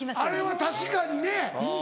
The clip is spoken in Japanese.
あれは確かにね。